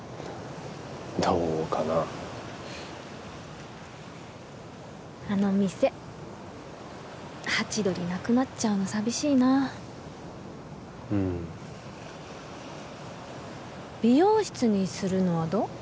どうかなあの店ハチドリなくなっちゃうの寂しいなうん美容室にするのはどう？